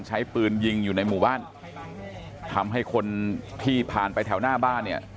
ใช้ปืนยิงอยู่ในหมู่บ้านทำให้คนที่ผ่านไปแถวหน้าบ้านเนี่ย